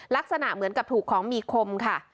ลักษณะเหมือนกับถูกของมีคมค่ะ